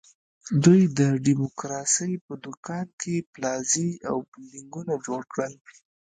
دوی د ډیموکراسۍ په دوکان کې پلازې او بلډینګونه جوړ کړل.